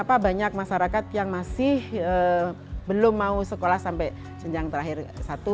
karena banyak masyarakat yang masih belum mau sekolah sampai jenjang terakhir satu